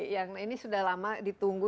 yang ini sudah lama ditunggu